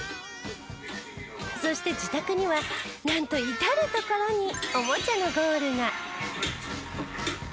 そして自宅にはなんと至る所におもちゃのゴールが。